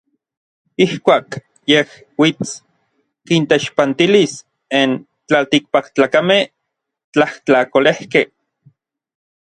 Ijkuak yej uits, kinteixpantilis n tlaltikpaktlakamej tlajtlakolejkej.